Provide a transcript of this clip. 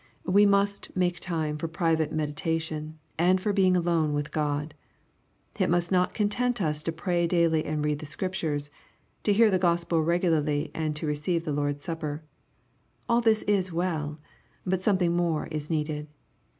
We must make time for private meditation, and for being alone with God. It must not content us to pray daily and read the Scriptures, — to hear the Gospel regularly and to receive the Lord's Supper. All this is well. But something more is needed.